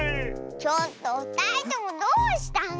ちょっとふたりともどうしたの？